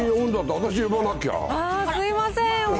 すみません。